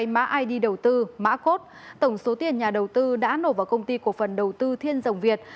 mã id đầu tư mã cốt tổng số tiền nhà đầu tư đã nộp vào công ty cổ phần đầu tư thiên dòng việt